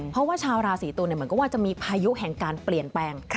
เพราะว่าชาวราศีตุลเหมือนกับว่าจะมีพายุแห่งการเปลี่ยนแปลง